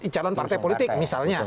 calon partai politik misalnya